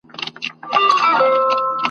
سم په ښار کي وناڅم څوک خو به څه نه وايي !.